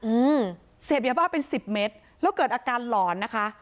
อืมเสพยาบ้าเป็นสิบเมตรแล้วเกิดอาการหลอนนะคะ